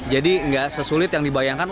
jadi nggak sesulit yang dibayangkan